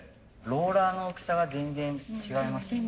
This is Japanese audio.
ローラーの大きさが全然違いますね。